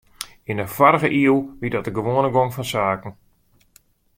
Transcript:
Yn de foarrige iuw wie dat de gewoane gong fan saken.